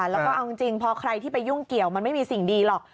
แล้วก็เอาจริงพอใครที่ไปยุ่งเกี่ยวมันไม่มีสิ่งดีหรอก